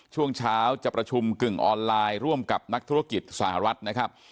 ช่วงเช้าจะประชุมกึ่งออนไลน์ร่วมกับนักธุรกิจสหรัฐนะครับ